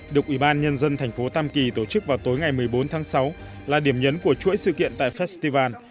được ủy ban nhân dân thành phố tam kỳ tổ chức vào tối ngày một mươi bốn tháng sáu là điểm nhấn của chuỗi sự kiện tại festival